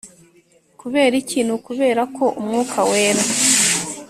Kubera iki Ni ukubera ko umwuka wera